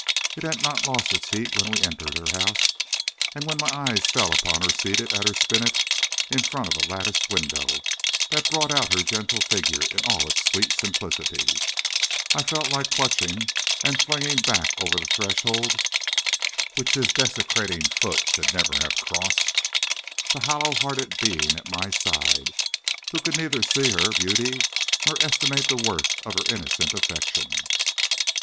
"It had not lost its heat when we entered her house, and when my eyes fell upon her seated at her spinet in front of a latticed window that brought out her gentle figure in all its sweet simplicity, I felt like clutching, and flinging back over the threshold, which his desecrating foot should never have crossed, the hollow hearted being at my side, who could neither see her beauty nor estimate the worth of her innocent affection.